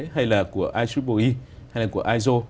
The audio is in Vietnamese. hay là của ieee hay là của iso